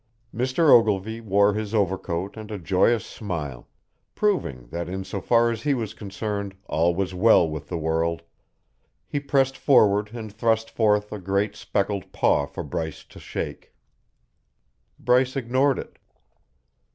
Mr. Ogilvy wore his over coat and a joyous smile, proving that in so far as he was concerned all was well with the world; he pressed forward and thrust forth a great speckled paw for Bryce to shake. Bryce ignored it.